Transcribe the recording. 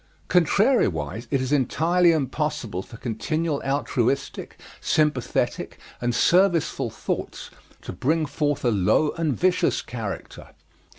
Contrariwise, it is entirely impossible for continual altruistic, sympathetic, and serviceful thoughts to bring forth a low and vicious character.